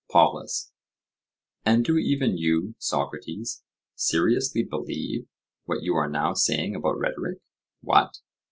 POLUS: And do even you, Socrates, seriously believe what you are now saying about rhetoric? What!